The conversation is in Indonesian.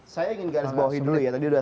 saya ingin garis bawahi dulu ya